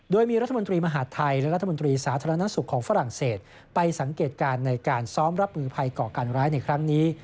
โดยมีรัฐมนตรีมหาดไทยและรัฐมนตรีสาธารณสุขของฝรั่งเศสไปสังเกตการณ์ในการซ้อมรับมือภัยก่อการร้ายในครั้งนี้